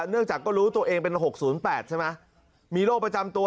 เนื่องจากก็รู้ตัวเองเป็น๖๐๘ใช่ไหมมีโรคประจำตัว